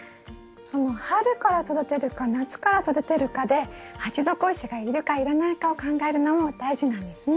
その春から育てるか夏から育てるかで鉢底石がいるかいらないかを考えるのも大事なんですね。